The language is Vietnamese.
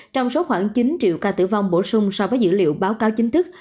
trong số khoảng chín triệu ca tử vong bổ sung so với dữ liệu báo cáo chính thức